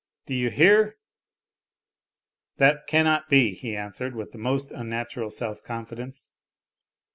Do you hear ?"" That cannot be," he answered, with the most unnatural self confidence.